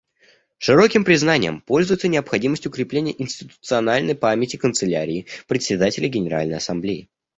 Широким признанием пользуется необходимость укрепления институциональной памяти Канцелярии Председателя Генеральной Ассамблеи.